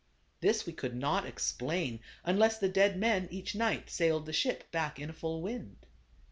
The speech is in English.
This we could not explain unless the dead men each night sailed the ship back in a full wind.